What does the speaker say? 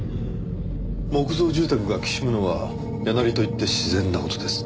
木造住宅がきしむのは「家鳴り」と言って自然な事です。